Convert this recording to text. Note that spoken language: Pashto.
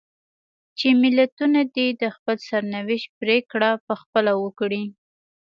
چې ملتونه دې د خپل سرنوشت پرېکړه په خپله وکړي.